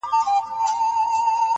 زما په غزل کي لکه شمع هره شپه لګېږې -